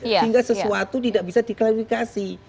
sehingga sesuatu tidak bisa diklarifikasi